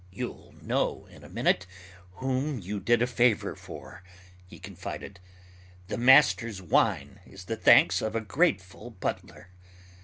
"You'll know in a minute whom you did a favor for," he confided, "the master's wine is the thanks of a grateful butler!"